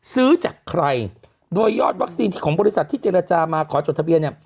ซื้อจากใครโดยยอดวัคซีนที่ของบริษัทที่เจรจามาขอจดทะเบียนเนี่ย